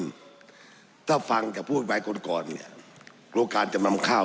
กลุ่มถ้าฟังจากภูริภายคนควรเนี่ยกโรคการจำนำข้าว